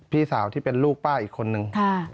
พี่สาวที่เป็นลูกป้าอีกคนนึง